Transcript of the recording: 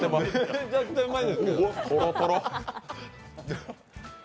めちゃくちゃうまいんですけど！